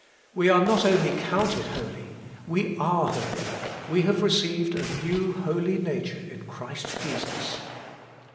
We are not only counted holy; we are holy, we have received a new holy nature in Christ Jesus.